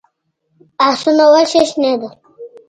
آسونه وشڼېدل.